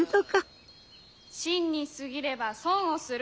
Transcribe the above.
信に過ぎれば損をする。